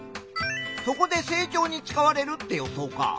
そこで成長に使われるって予想か。